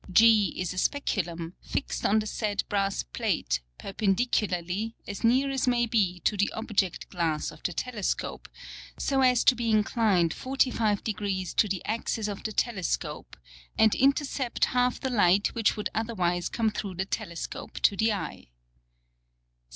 G, is a Speculum, fixt on the said Brass Plate perpendicularly, as near as may be to the Object glass of the Telescope, so as to be inclined 45 Degrees to the Axis of the Telescope, and intercept half the Light which would otherwise come through the Telescope to the Eye.